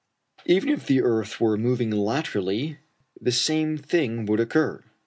]] Even if the earth were moving laterally, the same thing would occur.